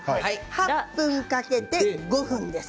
８分かけて５分です。